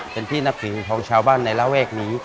เป็นที่นับถือของชาวบ้านในระแวกนี้